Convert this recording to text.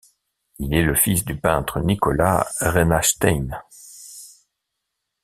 Il est le fils du peintre Nicolas Rhénasteine.